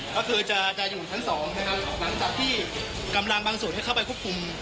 ก็คือจะอยู่ชั้นสองนะครับหลังจากที่กำลังบางส่วนให้เข้าไปควบคุม